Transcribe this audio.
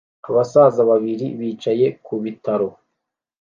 Abasaza babiri bicaye ku bitaro